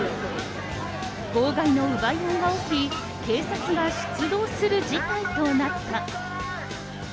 号外の奪い合いが起き、警察が出動する事態となった。